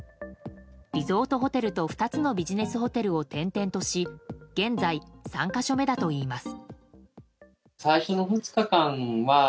リゾートホテルと２つのビジネスホテルを転々とし現在、３か所目だといいます。